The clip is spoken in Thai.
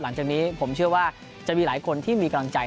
หลังจากนี้ผมเชื่อว่าจะมีหลายคนที่มีกำลังใจ